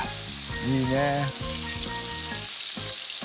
いいね。